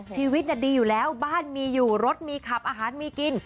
ชีวิตดีอยู่แล้วบ้านมีอยู่รถมีขับอาหารมีกิน